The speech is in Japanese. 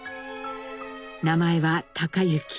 名前は隆之。